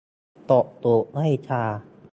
ตบตูดด้วยชา